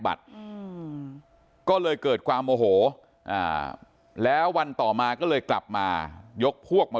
บัตรก็เลยเกิดความโมโหแล้ววันต่อมาก็เลยกลับมายกพวกมา